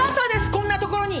こんなところに！